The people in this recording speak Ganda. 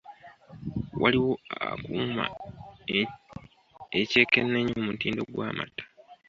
Waliwo akuuma ekyekenneenya omutindo gw'amata.